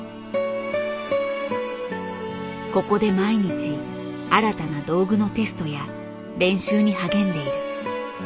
ここで毎日新たな道具のテストや練習に励んでいる。